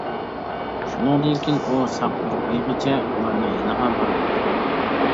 شۇنىڭدىن كىيىن ئۇ ساق بىر ئايغىچە ئۇلارنىڭ يېنىغا بارمىدى.